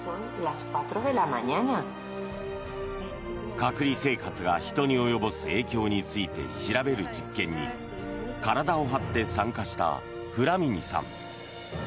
隔離生活が人に及ぼす影響について調べる実験に体を張って参加したフラミニさん。